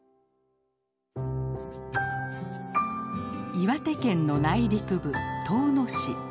岩手県の内陸部遠野市。